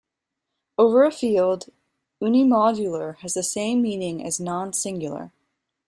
Over a field, "unimodular" has the same meaning as "non-singular".